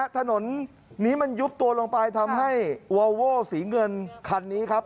ถนนนี้มันยุบตัวลงไปทำให้วอลโว้สีเงินคันนี้ครับ